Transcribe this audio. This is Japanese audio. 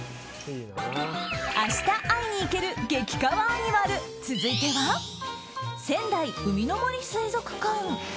明日会いに行ける激かわアニマル続いては、仙台うみの杜水族館。